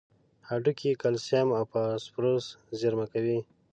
هډوکي کلسیم او فاسفورس زیرمه کوي.